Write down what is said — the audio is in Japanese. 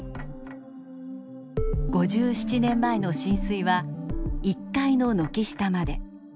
５７年前の浸水は１階の軒下まで。